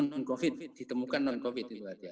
non covid ditemukan non covid ya